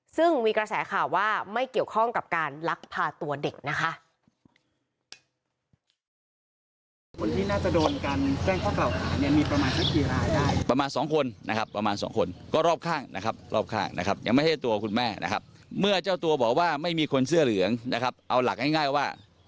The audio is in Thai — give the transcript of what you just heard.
ซึ่งมีกระแสข่าวว่าไม่เกี่ยวข้องกับการลักพาตัวเด็กนะคะ